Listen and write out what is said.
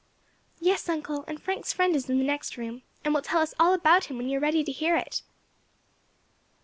"Yes, uncle; and Frank's friend is in the next room, and will tell us all about him when you are ready to hear it."